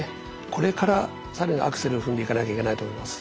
これから更にアクセルを踏んでいかなきゃいけないと思います。